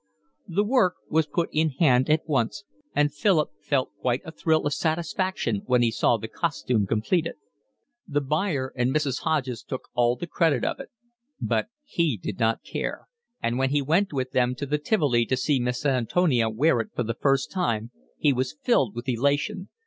The work was put in hand at once, and Philip felt quite a thrill of satisfaction when he saw the costume completed. The buyer and Mrs. Hodges took all the credit of it; but he did not care, and when he went with them to the Tivoli to see Miss Antonia wear it for the first time he was filled with elation.